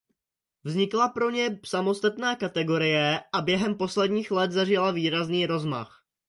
Vznikla pro ně samostatná kategorie a během posledních let zažila výrazný rozmach.